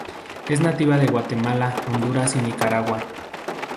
Es nativa de Guatemala, Honduras y Nicaragua.